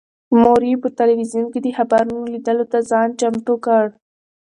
مور یې په تلویزون کې د خبرونو لیدلو ته ځان چمتو کړ.